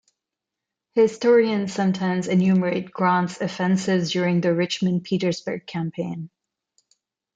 Historians sometimes enumerate Grant's offensives during the Richmond-Petersburg Campaign.